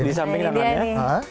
di samping lengannya